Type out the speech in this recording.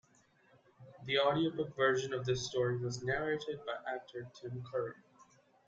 The audiobook version of this story was narrated by actor Tim Curry.